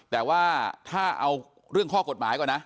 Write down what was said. แต่ว่าถ้าเอาเรื่องข้อกฎหมายก่อนนะ